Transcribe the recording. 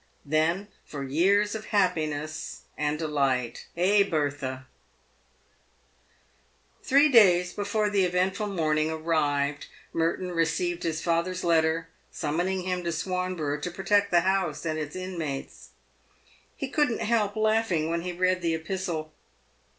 Then for years of happiness and delight —" eh, Bertha ?" Three days before the eventful morning arrived, Merton received his father's letter, summoning him to Swanborough to protect the house and its inmates. He couldn't help laughing w T hen he read the epistle.